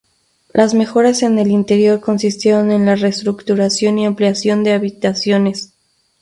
Las mejoras en el interior consistieron en la reestructuración y ampliación de habitaciones.